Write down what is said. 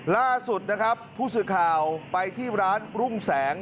ล่าสุดนะครับผู้สื่อข่าวไปที่ร้านรุ่งแสง